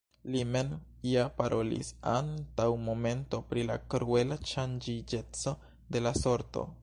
Li mem ja parolis antaŭ momento pri la kruela ŝanĝiĝeco de la sorto!